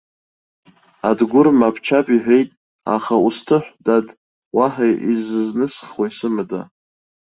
Адгәыр мап-чап иҳәеит, аха усҭыҳә, дад, уаҳа изызнысхуа исымада.